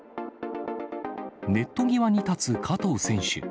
ネット際に立つ加藤選手。